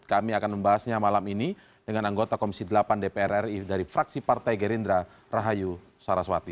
kami akan membahasnya malam ini dengan anggota komisi delapan dpr ri dari fraksi partai gerindra rahayu saraswati